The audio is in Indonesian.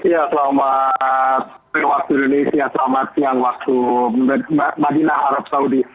ya selamat siang waktu medina arab saudi